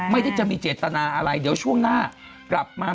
ไม่ได้จะมีเจตนาอะไรเดี๋ยวช่วงหน้ากลับมา